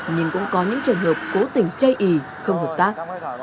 nhưng cũng có những trường hợp cố tình chây ý không hợp tác